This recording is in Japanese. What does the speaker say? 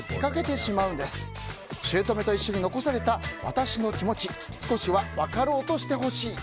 しゅうとめと一緒に残された私の気持ち少しは分かろうとしてほしい。